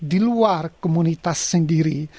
di luar komunitas sendiri